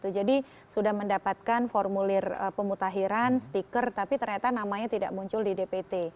jadi sudah mendapatkan formulir pemutahiran stiker tapi ternyata namanya tidak muncul di dpt